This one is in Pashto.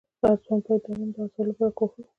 هرځوان باید د علم د حاصلولو لپاره کوښښ وکړي.